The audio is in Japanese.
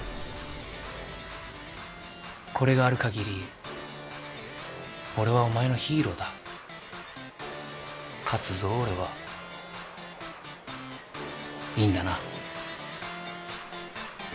これがある限り俺はお前のヒーローだ勝つぞ俺はいいんだな？